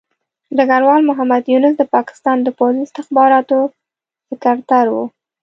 ډګروال محمد یونس د پاکستان د پوځي استخباراتو سکرتر وو.